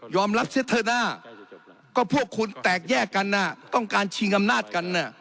ยอมรับเชษฐน่ะก็พวกคุณแตกแยกกันน่ะต้องการชีงงำหน้ากันน่ะ